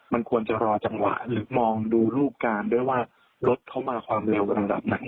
มันควรจะรอจังหวะหรือมองดูรูปการณ์ด้วยว่ารถเข้ามาความเร็วระดับไหน